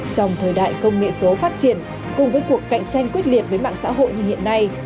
trong thời đại công nghệ số phát triển cùng với cuộc cạnh tranh quyết liệt với mạng xã hội như hiện nay